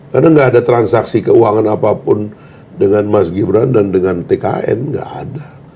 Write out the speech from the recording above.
karena enggak ada transaksi keuangan apapun dengan mas gibran dan dengan tkn enggak ada